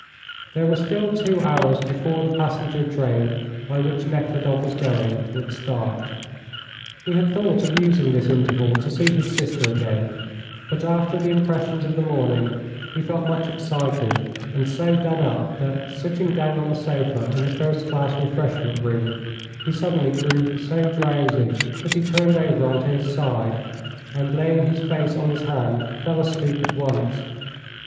There were still two hours before the passenger train by which Nekhludoff was going would start. He had thought of using this interval to see his sister again; but after the impressions of the morning he felt much excited and so done up that, sitting down on a sofa in the first class refreshment room, he suddenly grew so drowsy that he turned over on to his side, and, laying his face on his hand, fell asleep at once.